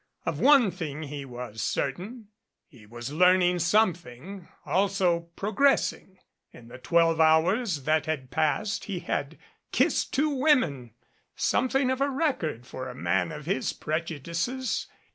Of one thing he was certain. He was learning some thing, also progressing. In the twelve hours that had passed he had kissed two women something of a record for a man of his prejudices.